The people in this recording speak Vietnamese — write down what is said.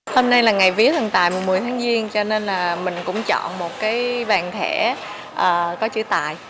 hôm nay là ngày vía thần tài mùng một mươi tháng giêng cho nên là mình cũng chọn một cái vàng thẻ có chữ tài